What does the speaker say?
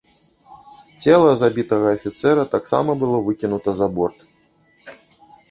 Цела забітага афіцэра таксама было выкінута за борт.